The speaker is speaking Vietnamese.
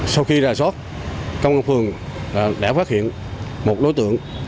sau khi gà sót công an phường đã phát hiện một đối tượng